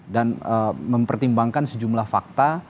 dan mempertimbangkan sejumlah fakta